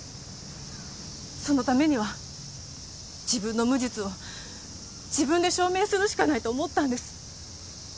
そのためには自分の無実を自分で証明するしかないと思ったんです。